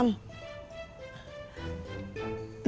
lu mau pindah